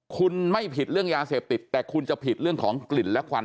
คุณไม่ผิดเรื่องยาเสพติดแต่คุณจะผิดเรื่องของกลิ่นและควัน